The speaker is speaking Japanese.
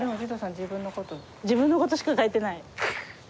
自分のことしか書いてない。